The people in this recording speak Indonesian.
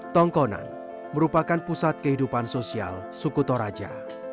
tongkonan merupakan pusat kehidupan sosial suku toraja